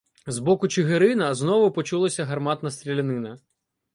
З боку Чигирина знову почулася гарматна стрілянина.